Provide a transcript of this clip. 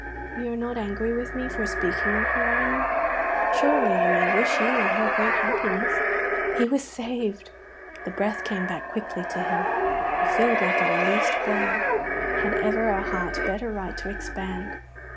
You are not angry with me for speaking of her, are you? Surely I may wish you and her great happiness." He was saved. The breath came back quickly to him. He filled like a released ball. Had ever a heart better right to expand?